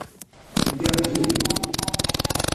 Lliɣ din.